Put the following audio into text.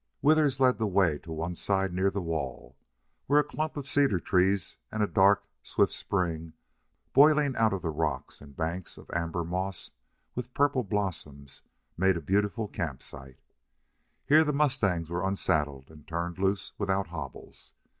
Withers led the way to one side near the wall, where a clump of cedar trees and a dark, swift spring boiling out of the rocks and banks of amber moss with purple blossoms made a beautiful camp site. Here the mustangs were unsaddled and turned loose without hobbles.